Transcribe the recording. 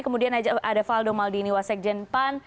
kemudian ada faldo maldini wasek jenpan